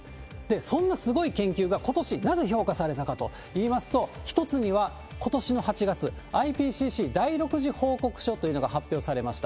そんなすごい研究がことし、なぜ評価されたかといいますと、一つにはことしの８月、ＩＰＣＣ第６次報告書というのが発表されました。